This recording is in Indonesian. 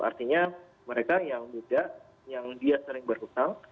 artinya mereka yang muda yang dia sering berhutang